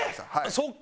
そっか。